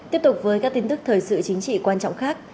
tiếp tục với các tin tức thời sự chính trị quan trọng khác